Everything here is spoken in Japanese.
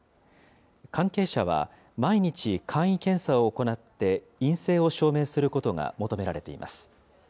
関係者は毎日簡易検査を行って、陰性を証明することが求められています。